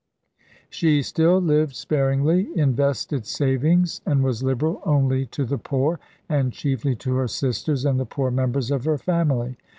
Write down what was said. She still lived sparingly, invested savings, and was liberal only to the poor, and chiefly to her sisters and the poor members of her family.